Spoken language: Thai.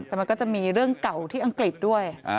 แต่มันก็จะมีเรื่องเก่าที่อังกฤษด้วย